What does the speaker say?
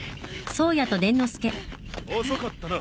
遅かったな。